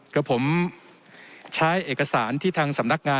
พร้อมใช้เอกสารที่ทางสำนักการนะครับ